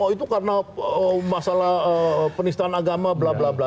itu karena masalah penistaan agama bla bla bla